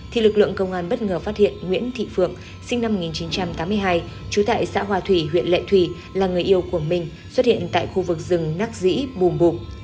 thì lực lượng công an bất ngờ phát hiện nguyễn thị phượng sinh năm một nghìn chín trăm tám mươi hai trú tại xã hòa thủy huyện lệ thủy là người yêu của mình xuất hiện tại khu vực rừng nắc dĩ bù